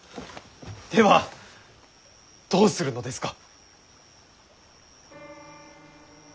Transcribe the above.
ではどうするのですか。